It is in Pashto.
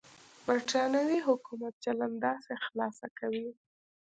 برېټانوي حکومت چلند داسې خلاصه کوي.